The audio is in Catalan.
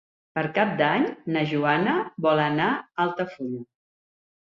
Per Cap d'Any na Joana vol anar a Altafulla.